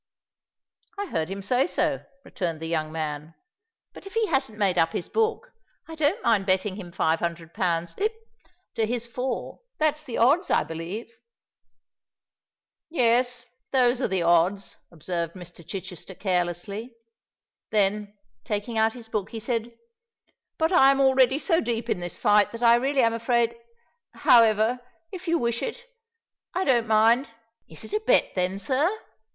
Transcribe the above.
"I heard him say so," returned the young man. "But, if he hasn't made up his book, I don't mind betting him five hundred pounds—hic—to his four—that's the odds, I believe——" "Yes—those are the odds," observed Mr. Chichester, carelessly: then, taking out his book, he said, "But I am already so deep in this fight, that I really am afraid——however, if you wish it, I don't mind——" "Is it a bet, then, sir?"